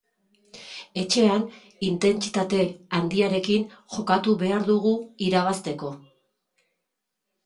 Etxean intentsitate handiarekin jokatu behar dugu irabazteko.